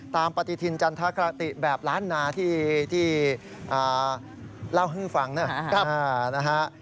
ปฏิทินจันทรครติแบบล้านนาที่เล่าให้ฟังนะครับ